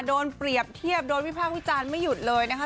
โดนเปรียบเทียบโดนวิพากษ์วิจารณ์ไม่หยุดเลยนะคะ